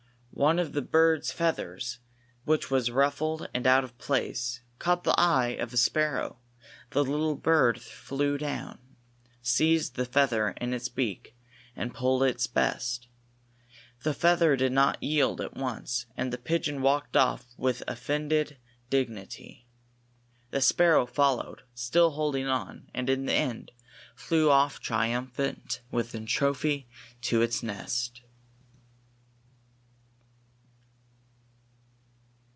One of the bird's feathers, which was ruffled and out of place, caught the eye of a sparrow; the little bird flew down, seized the feather in its beak and pulled its best. The feather did not yield at once, and the pigeon walked off with offended dignity. The sparrow followed, still holding on; and, in the end, flew off triumphant with the trophy to its nest.